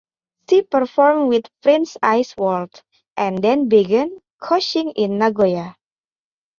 She performed with Prince Ice World and then began coaching in Nagoya.